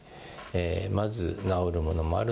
まず治るものもある。